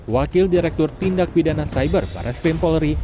wakil direktur tindak pidana cyber para srim polri